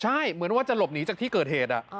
ใช่เหมือนว่าจะหลบหนีจากที่เกิดเหตุ